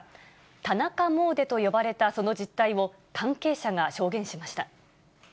田中詣でと呼ばれたその実態を、関係者が証言しました。